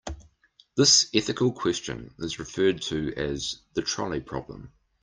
This ethical question is referred to as the trolley problem.